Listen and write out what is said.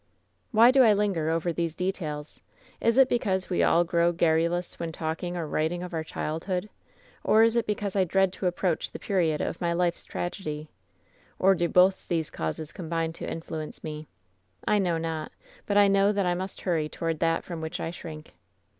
"Why do I linger over these details? Is it because we all grow garrulous when talking or writing of our childhood? Or is it because I dread to approach the period of my life's tragedy ? Or do both these causes combine to influence me ? I know not ; but I know that I must hurry toward that from which I shrink.